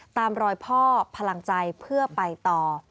ตามรอยพ่อพลังใจเพื่อไปต่อ